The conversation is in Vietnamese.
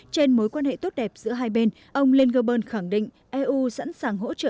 trên mối quan hệ tốt đẹp giữa hai bên ông linkerburn khẳng định eu sẵn sàng hỗ trợ